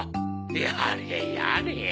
やれやれ。